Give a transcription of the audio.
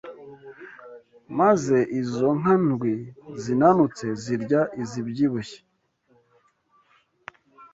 Maze izo nka ndwi zinanutse zirya izibyibushye